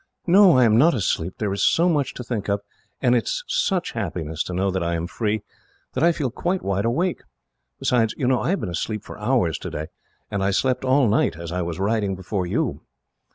"No, I am not asleep. There is so much to think of, and it is such happiness to know that I am free, that I feel quite wide awake. Besides, you know, I have been asleep for hours today, and I slept all night, as I was riding before you."